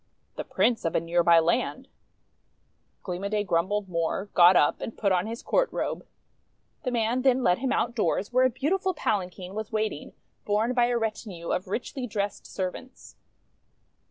"The Prince of a near by land." Gleam o' Day grumbled more, got up and put on his court robe. The man then led him outdoors, where a beautiful palanquin was waiting, borne by a retinue of richly dressed servants.